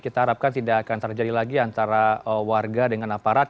kita harapkan tidak akan terjadi lagi antara warga dengan aparat